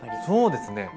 そうですね